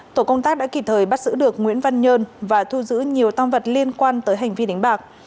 tổ công tác đã kịp thời bắt giữ được nguyễn văn nhơn và thu giữ nhiều tam vật liên quan tới hành vi đánh bạc